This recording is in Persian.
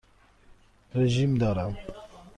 رژیم دارم.